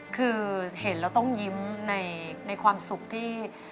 คือเห็นแล้วต้องยิ้มในความสุขที่